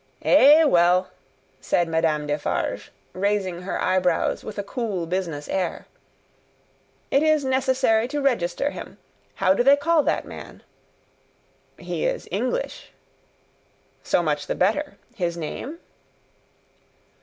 "Eh well!" said Madame Defarge, raising her eyebrows with a cool business air. "It is necessary to register him. How do they call that man?" "He is English." "So much the better. His name?"